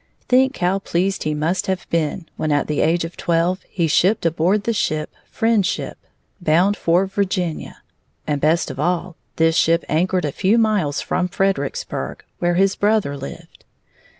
Think how pleased he must have been when at the age of twelve he shipped aboard the ship Friendship, bound for Virginia! And best of all, this ship anchored a few miles from Fredericksburg, where his brother lived.